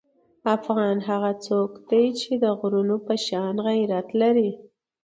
افغان هغه څوک دی چې د غرونو په شان غیرت لري.